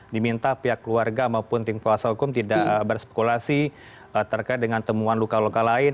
diminta pihak keluarga maupun tim kuasa hukum tidak berspekulasi terkait dengan temuan luka luka lain